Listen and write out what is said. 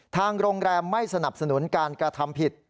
ทางโรงแรมไม่สนับสนุนการกระทำผิด